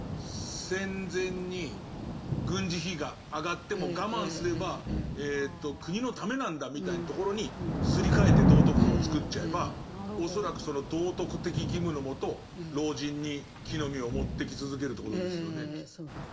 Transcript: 戦前に軍事費が上がっても我慢すれば国のためなんだみたいなところにすり替えて道徳観を作っちゃえば恐らくその道徳的義務の下老人に木の実を持ってき続けるということですよね。